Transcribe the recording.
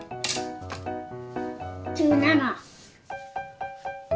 １７。